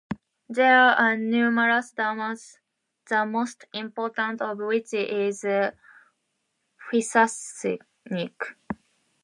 There are numerous dams, the most important of which is Pyasachnik.